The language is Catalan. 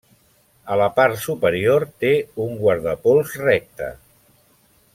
A la part superior té un guardapols recte.